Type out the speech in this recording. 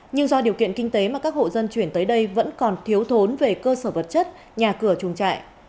nhưng do điều kiện kinh tế mà các hộ dân chuyển tới đây vẫn còn thiếu thốn về cơ sở vật chất nhà cửa chuồng trại